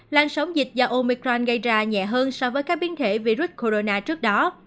lan sóng dịch do omicron gây ra nhẹ hơn so với các biến thể virus corona trước đó